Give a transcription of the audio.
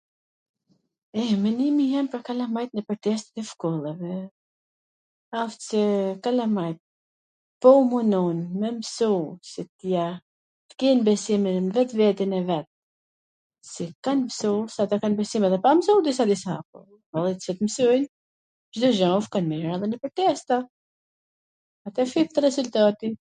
E, menimi jem pwr kalamajt pwr testet e shkollave asht se kalamajt po u munun me msu..., t ken besim nw vetveten e vet, si tan msusat e kan besim edhe pa msu disa disa boll qw t mwsojn, Cdo gja shkon mir edhe nwpwr testa, aty shihet rezultati,